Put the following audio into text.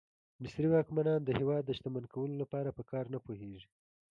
مصري واکمنان د هېواد د شتمن کولو لپاره په کار نه پوهېږي.